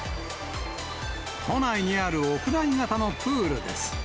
都内にある屋内型のプールです。